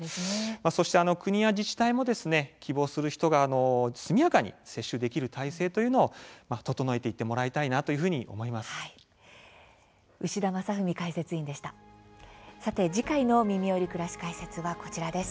そして国や自治体も希望する人が速やかに接種できる体制というのを整えていってもらいたいなというふうに思います。